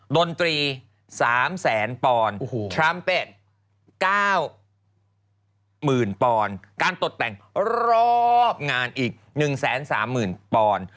ดนตรี๓๐๐๐๐๐๐ปอนทรัมเพต๙๐๐๐๐๐๐ปอนการตกแต่งรอบงานอีก๑๓๐๐๐๐๐ปอน